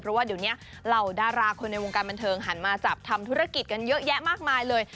เพราะว่าเดี๋ยวนี้เหล่าดาราคนในวงการบันเทิงหันมาจับทำธุรกิจกันเยอะแยะมากมายเลย